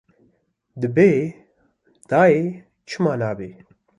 Dibe, dayê, çima nabe